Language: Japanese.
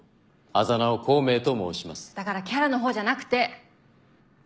だからキャラの方じゃなくて。